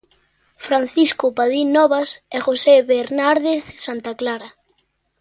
Francisco Padín Novas e José Bernárdez Santaclara.